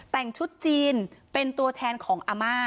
แต่งชุดจีนเป็นตัวแทนของอาม่า